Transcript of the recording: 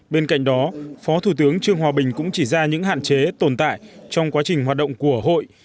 bên cạnh đó phó thủ tướng trương hòa bình cũng chỉ ra những hạn chế tồn tại trong quá trình hoạt động của hội